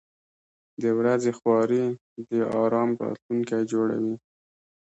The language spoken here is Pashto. • د ورځې خواري د آرام راتلونکی جوړوي.